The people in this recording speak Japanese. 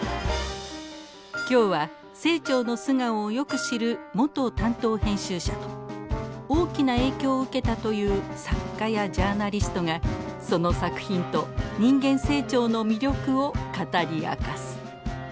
今日は清張の素顔をよく知る元・担当編集者と大きな影響を受けたという作家やジャーナリストがその作品と人間・清張の魅力を語り明かす。